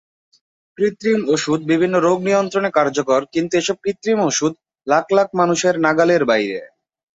কৃত্রিম ওষুধ বিভিন্ন রোগ নিয়ন্ত্রণে কার্যকর কিন্তু এসব কৃত্রিম ওষুধ লাখ লাখ মানুষের নাগালের বাইরে।